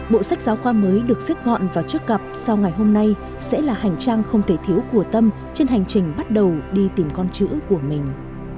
bộ sách giáo khoa mới được xếp gọn vào trước cặp sau ngày hôm nay sẽ là hành trang không thể thiếu của tâm trên hành trình bắt đầu đi tìm con chữ của mình